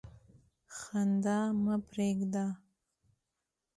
خندا مه پرېږده.